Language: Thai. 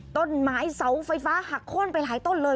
ต้นไม้เสาไฟฟ้าหักโค้นไปหลายต้นเลย